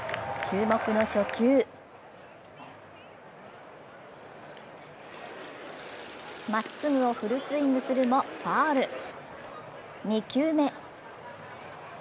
注目の初球まっすぐをフルスイングするもファウル。